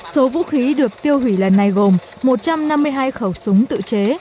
số vũ khí được tiêu hủy lần này gồm một trăm năm mươi hai khẩu súng tự chế